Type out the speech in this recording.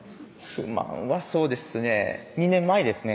不満はそうですね２年前ですね